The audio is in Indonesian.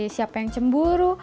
siapa yang cemburu